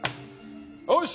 よし！